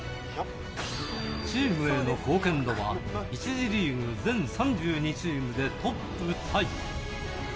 チームへの貢献度は、１次リーグ全３２チームでトップタイ。